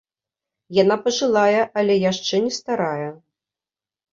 Яна пажылая, але яшчэ не старая.